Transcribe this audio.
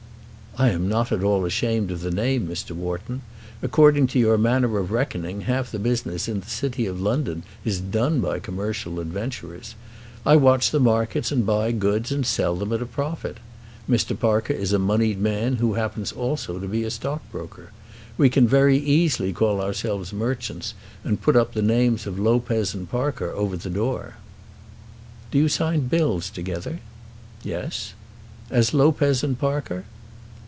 "I am not at all ashamed of the name, Mr. Wharton. According to your manner of reckoning, half the business in the City of London is done by commercial adventurers. I watch the markets and buy goods, and sell them at a profit. Mr. Parker is a moneyed man, who happens also to be a stockbroker. We can very easily call ourselves merchants, and put up the names of Lopez and Parker over the door." "Do you sign bills together?" "Yes." "As Lopez and Parker?"